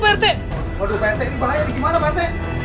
pak rt ini berani gimana pak rt